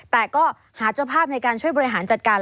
แต่ก็หาเจ้าภาพในการช่วยบริหารจัดการ